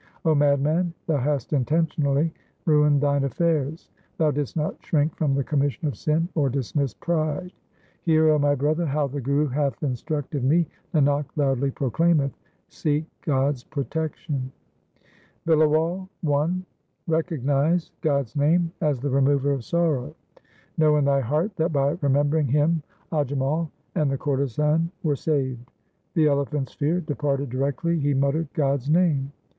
O madman, thou hast intentionally ruined thine affairs ; Thou didst not shrink from the commission of sin or dismiss pride. Hear, 0 my brother, how the Guru hath instructed me. Nanak loudly proclaimeth — seek God's protection. Bilawal I Recognize God's name as the remover of sorrow : Know in thy heart that by remembering Him Ajamal and the courtesan were saved ; The elephant's fear departed directly he muttered God's name.